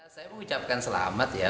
saya mengucapkan selamat ya